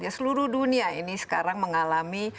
seluruh dunia ini sekarang mengalami